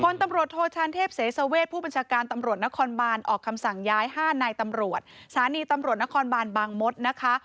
คนตำรวจโทอธารณเทพเสเซอเวสผู้บัญชาการตำรวจนครบานออกคำสั่งยายห้าในตำรวจศตำรวจนครบานบางมฎนะคะ